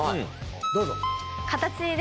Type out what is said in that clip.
どうぞ。